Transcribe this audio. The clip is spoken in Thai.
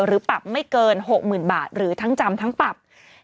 หรือปรับไม่เกิน๖๐๐๐บาทหรือทั้งจำทั้งปรับ